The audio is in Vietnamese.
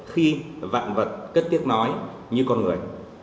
khi vạn vật cất tiếp nói như con người